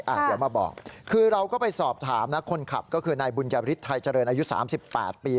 เดี๋ยวมาบอกคือเราก็ไปสอบถามนะคนขับก็คือนายบุญยฤทธิไทยเจริญอายุ๓๘ปี